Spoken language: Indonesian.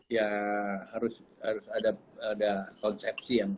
ya harus ada konsepsi yang